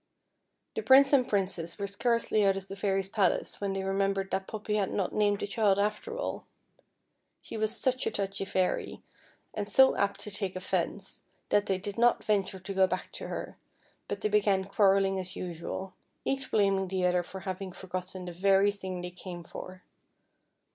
The Prince and Princess were scarcely out of the Fairy's palace when they remembered that Poppy had not named the child after all. She was such a touchy fairy, and so apt to take offence, that the^^ FEATHER I/EAD. 223 did not venture to go back to lier, but they began quarrelling as usual, each blaming the other for having forgotten the very tiling they came for.